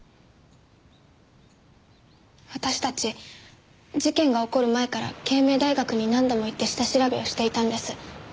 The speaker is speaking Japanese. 私たち事件が起こる前から慶明大学に何度も行って下調べをしていたんです。